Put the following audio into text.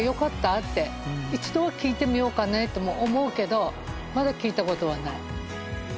って一度は聞いてみようかねとも思うけどまだ聞いた事はない。